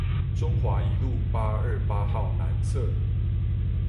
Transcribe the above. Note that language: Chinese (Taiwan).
中華一路八二八號南側